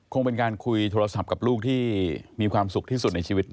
คงเป็นการคุยโทรศัพท์กับลูกที่มีความสุขที่สุดในชีวิต